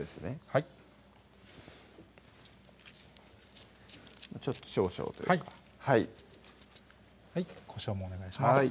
はい少々というかはいこしょうもお願いします